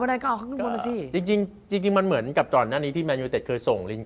แล้วก็ได้เป็นตัวของตัวเอง